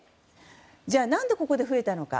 じゃあ、なぜここで増えたのか。